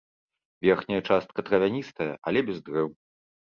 Верхняя частка травяністая, але без дрэў.